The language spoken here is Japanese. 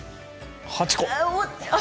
８個！